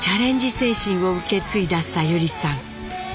精神を受け継いださゆりさん。